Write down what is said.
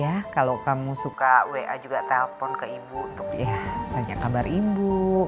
ya kalau kamu suka wa juga telpon ke ibu untuk ya tanya kabar ibu